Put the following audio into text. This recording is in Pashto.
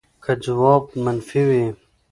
که ځواب منفي وي